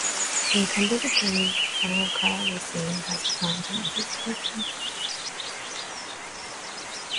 Incumbent Attorney General Karl Racine has declined to run for reelection.